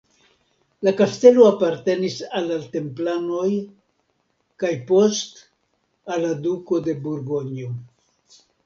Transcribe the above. La kastelo apartenis al la templanoj kaj post al la duko de Burgonjo.